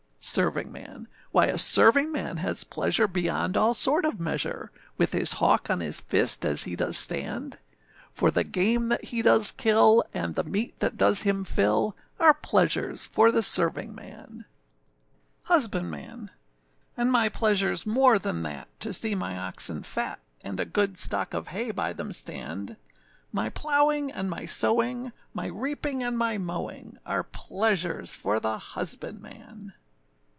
SERVINGMAN. Why a servingman has pleasure beyond all sort of measure, With his hawk on his fist, as he does stand; For the game that he does kill, and the meat that does him fill, Are pleasures for the servingman. HUSBANDMAN. And my pleasureâs more than that, to see my oxen fat, And a good stock of hay by them stand; My plowing and my sowing, my reaping and my mowing, Are pleasures for the husbandman.